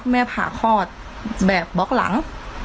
ผ่าคลอดแบบบล็อกหลัง